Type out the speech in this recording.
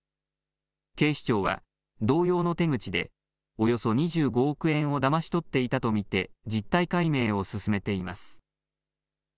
警視庁は、同様の手口でおよそ２５億円をだまし取っていたと見て、実態解明を進めています。